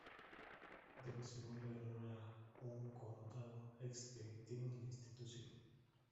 Debe su nombre en honor a un connotado ex directivo de la institución.